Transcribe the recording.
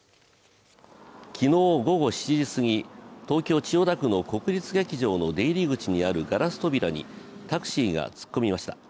昨日、午後７時すぎ東京・千代田区の国立劇場の出入り口にあるガラス扉にタクシーが突っ込みました。